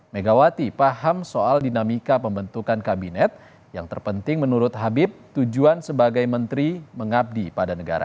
megawati paham soal dinamika pembentukan kabinet yang terpenting menurut habib tujuan sebagai menteri mengabdi pada negara